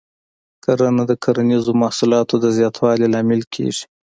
کرنه د کرنیزو محصولاتو د زیاتوالي لامل کېږي.